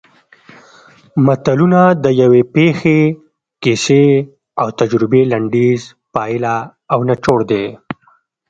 متلونه د یوې پېښې کیسې او تجربې لنډیز پایله او نچوړ دی